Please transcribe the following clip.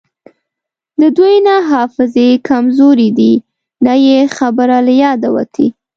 د دوی نه حافظې کمزورې دي نه یی خبره له یاده وتې